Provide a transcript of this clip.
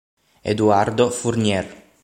Eduardo Fournier